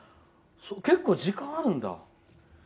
結構、時間あるんだ。